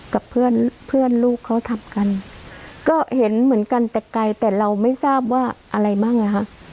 กับเพื่อนเพื่อนลูกเขาทำกันก็เห็นเหมือนกันแต่ไกลแต่เราไม่ทราบว่าอะไรบ้างอ่ะค่ะ